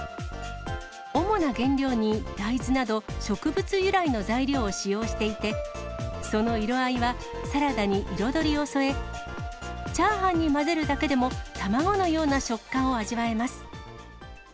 主な原料に、大豆など、植物由来の材料を使用していて、その色合いはサラダに彩りを添え、チャーハンに混ぜるだけでも、卵のような食感を味わえます。